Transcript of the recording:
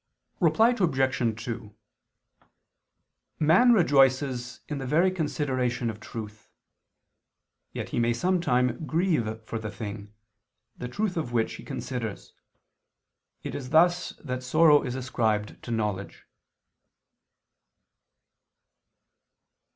Reply Obj. 2: Man rejoices in the very consideration of truth; yet he may sometimes grieve for the thing, the truth of which he considers: it is thus that sorrow is ascribed to knowledge.